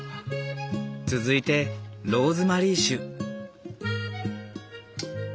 続いてローズマリー酒。